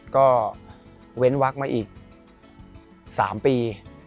ก็เว้นวักมาอีก๓ปี